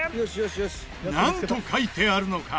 なんと書いてあるのか？